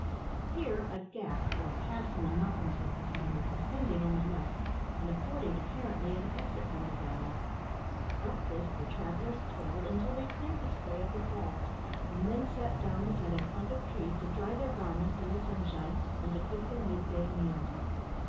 Here a gap or pass in the mountains was discovered, ascending on the left, and affording, apparently, an exit from the valley. Up this the travellers toiled until they cleared the spray of the falls, and then sat down beside a clump of trees to dry their garments in the sunshine and to cook their mid day meal.